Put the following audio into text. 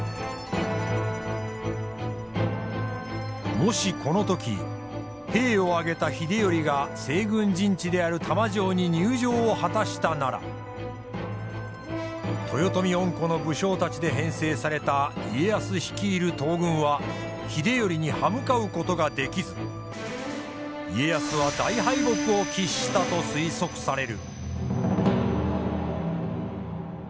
もしこの時兵を挙げた秀頼が西軍陣地である玉城に入城を果たしたなら豊臣恩顧の武将たちで編成された家康率いる東軍は秀頼に刃向かうことができず家康は大敗北を喫したと推測される。